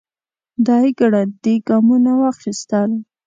دی ګړندي ګامونه واخيستل.